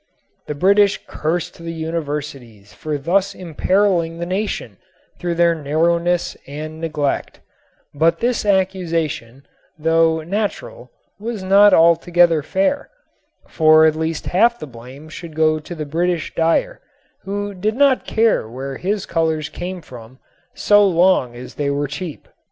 The British cursed the universities for thus imperiling the nation through their narrowness and neglect; but this accusation, though natural, was not altogether fair, for at least half the blame should go to the British dyer, who did not care where his colors came from, so long as they were cheap.